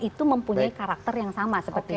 itu mempunyai karakter yang sama seperti itu